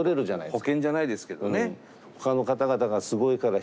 保険じゃないですけどね。